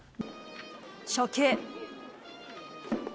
初球。